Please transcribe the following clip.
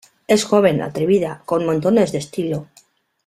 Es joven, atrevida, con montones de estilo".